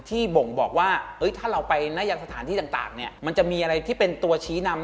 บ่งบอกว่าถ้าเราไปนะยังสถานที่ต่างเนี่ยมันจะมีอะไรที่เป็นตัวชี้นำ